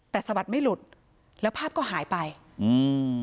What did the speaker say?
แต่สะบัดไม่หลุดแล้วภาพก็หายไปอืม